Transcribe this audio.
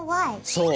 そう。